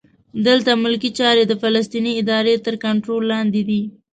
دلته ملکي چارې د فلسطیني ادارې تر کنټرول لاندې دي.